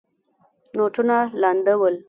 نوټونه لانده ول.